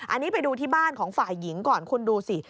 อันนี้ไปดูที่บ้านของฝ่ายหญิงก่อนคุณดูสิ